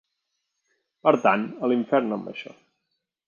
Per tant, a l'infern amb això.